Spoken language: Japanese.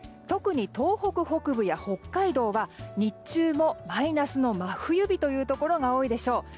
特に東北北部や北海道は日中もマイナスの真冬日のところが多いでしょう。